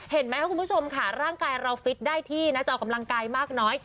เห็นไหมครับคุณผู้ชมค่ะร่างกายเราฟิตได้ที่นะจะออกกำลังกายมากน้อย